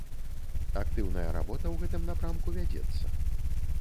Актыўная работа ў гэтым напрамку вядзецца.